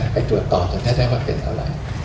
ไปตรวจสอบกันให้ได้ว่าเป็นอะไร